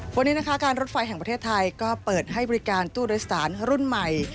วันนี้นะคะการรถไฟแห่งประเทศไทยก็เปิดให้บริการตู้โดยสารรุ่นใหม่